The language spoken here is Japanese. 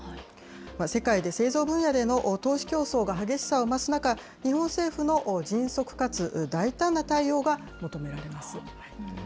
世界で製造分野での投資競争が激しさを増す中、日本政府の迅速かつ大胆な対応が求められます。